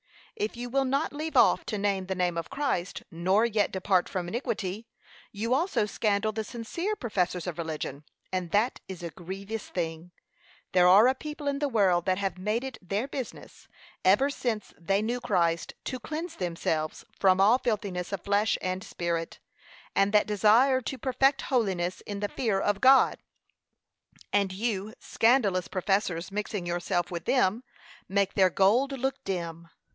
If you will not leave off to name the name of Christ, nor yet depart from iniquity, you also scandal the sincere professors of religion, and that is a grievous thing. There are a people in the world that have made it their business, ever since they knew Christ, to cleanse themselves from all filthiness of flesh and spirit, and that desire to perfect holiness in the fear of God; and you scandalous professors mixing yourselves with them, 'make their gold look dim.'